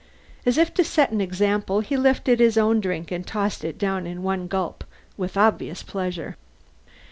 As if to set an example he lifted his own drink and tossed it down in one gulp, with obvious pleasure.